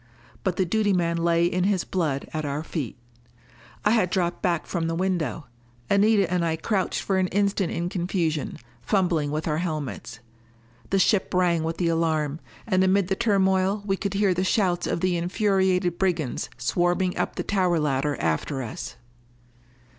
But the duty man lay in his blood at our feet. I had dropped back from the window. Anita and I crouched for an instant in confusion, fumbling with our helmets. The ship rang with the alarm. And amid the turmoil we could hear the shouts of the infuriated brigands swarming up the tower ladder after us!